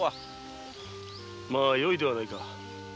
よいではないか。